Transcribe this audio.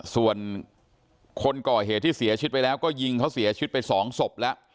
ส่วนคนก่อเหตุที่เสียชีวิตไปแล้วก็ยิงเขาเสียชีวิตไป๒ศพแล้ว